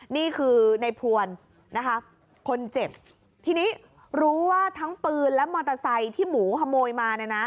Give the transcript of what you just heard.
นี่คือในพวนนะคะคนเจ็บทีนี้รู้ว่าทั้งปืนและมอเตอร์ไซค์ที่หมูขโมยมาเนี่ยนะ